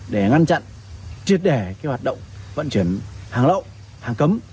để ngăn chặn triệt đẻ hoạt động vận chuyển hàng lậu hàng cấm